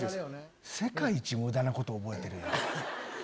世界一無駄なこと覚えてるやん。